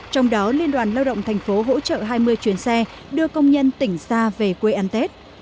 trong đó liên đoàn lao động thành phố hỗ trợ hai mươi chuyến xe đưa công nhân tỉnh xa về quê ăn tết